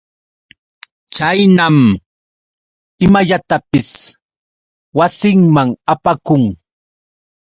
Chaynam imallatapis wasinman apakun.